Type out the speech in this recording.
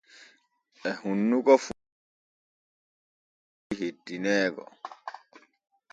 E hunnuko fuuroowo fuuraanu weli hettineego.